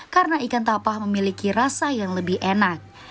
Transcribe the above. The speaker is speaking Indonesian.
karena ikan tapah memiliki rasa yang lebih enak